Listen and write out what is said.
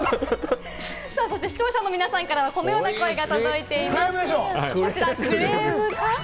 視聴者の皆さんからこのような声も届いています。